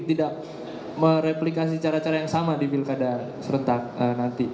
tidak mereplikasi cara cara yang sama di pilkada serentak nanti